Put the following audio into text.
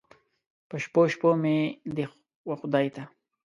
په شپو، شپو مې دې و خدای ته